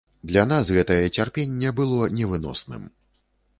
Для нас гэтае цярпенне было невыносным.